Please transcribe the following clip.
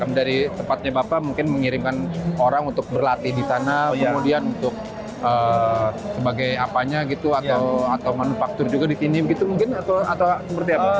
dari tempatnya bapak mungkin mengirimkan orang untuk berlatih di sana kemudian untuk sebagai apanya gitu atau manufaktur juga di sini gitu mungkin atau seperti apa